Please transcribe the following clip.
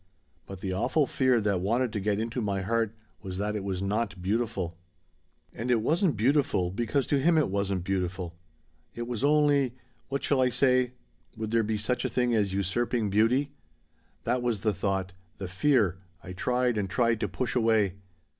But the awful fear that wanted to get into my heart was that it was not beautiful. "And it wasn't beautiful because to him it wasn't beautiful. It was only what shall I say would there be such a thing as usurping beauty? That was the thought the fear I tried and tried to push away.